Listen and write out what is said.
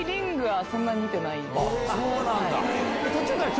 そうなんだ。